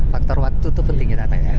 faktor waktu itu penting ya tata ya